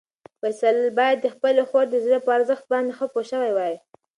فیصل باید د خپلې خور د زړه په ارزښت باندې ښه پوه شوی وای.